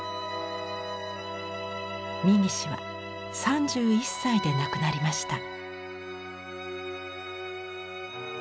三岸は３１歳で亡くなりました。